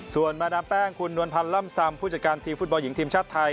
ส่วนมาดามแป้งคุณนวลพันธ์ล่ำซำผู้จัดการทีมฟุตบอลหญิงทีมชาติไทย